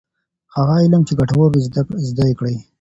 هغه علم چي ګټور وي زده یې کړه.